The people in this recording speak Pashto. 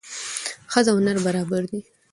ښځه او نر برابر دي